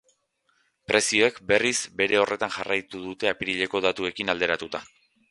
Prezioek, berriz, bere horretan jarraitu dute apirileko datuekin alderatuta.